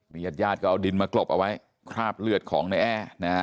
มีญาติยาดก็เอาดินมากรบเอาไว้คราบเลือดของนายแอ้